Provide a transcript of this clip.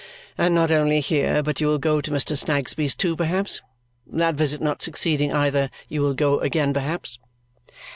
"And not only here, but you will go to Mr. Snagsby's too, perhaps? That visit not succeeding either, you will go again perhaps?"